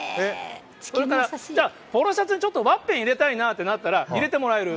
それからじゃあ、ポロシャツにちょっとワッペン入れたいなってなったら、入れてもらえる。